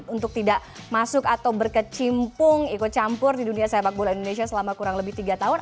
untuk tidak masuk atau berkecimpung ikut campur di dunia sepak bola indonesia selama kurang lebih tiga tahun